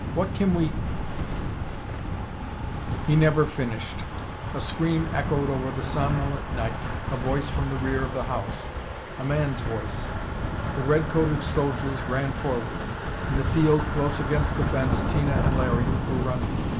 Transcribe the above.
What can we "He never finished. A scream echoed over the somnolent night a voice from the rear of the house. A man's voice. The red coated soldiers ran forward. In the field, close against the fence, Tina and Larry were running.